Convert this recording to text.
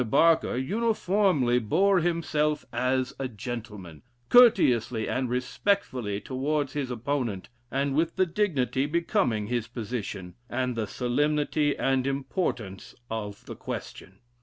Barker uniformly bore himself as a gentleman, courteously and respectfully towards his opponent, and with the dignity becoming his position, and the solemnity and importance of the question.